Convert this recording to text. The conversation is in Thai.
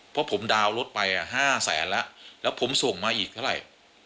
เพราะผมดาวน์รถไหมละห้าแสนละแล้วผมส่งมาอีกเท่าไร